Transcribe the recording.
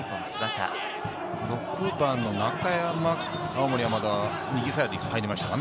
６番の中山、青森山田は右サイドに入りましたね。